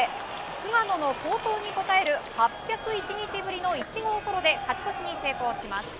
菅野の好投に応える８０１日ぶりの１号ソロで勝ち越しに成功します。